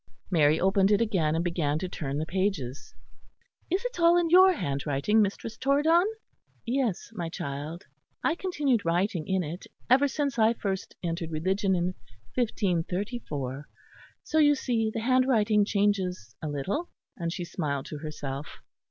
Mary opened it again, and began to turn the pages. "Is it all in your handwriting, Mistress Torridon?" "Yes, my child; I continued writing in it ever since I first entered religion in 1534; so you see the handwriting changes a little," and she smiled to herself.